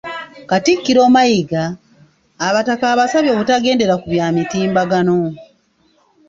Katikkiro Mayiga abataka abasabye obutagendera ku bya mitimbagano